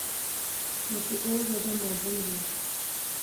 متے او ذرا ماڈرن وہے